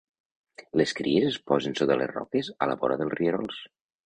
Les cries es posen sota les roques a la vora dels rierols.